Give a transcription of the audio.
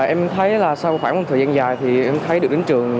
em thấy là sau khoảng một thời gian dài thì em thấy được đến trường